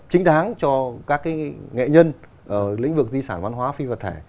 chính đáng cho các cái nghệ nhân ở lĩnh vực di sản văn hóa phi vật thể